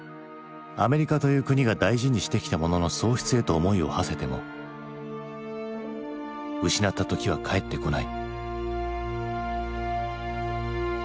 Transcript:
アメリカという国が大事にしてきたものの喪失へと思いをはせても失った時はかえってこない。